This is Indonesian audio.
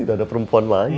tidak ada perempuan lain